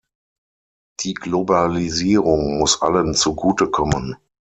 Die Globalisierung muss allen zugute kommen.